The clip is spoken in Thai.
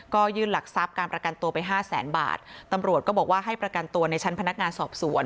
ก็ยื่นหลักทรัพย์การประกันตัวไปห้าแสนบาทตำรวจก็บอกว่าให้ประกันตัวในชั้นพนักงานสอบสวน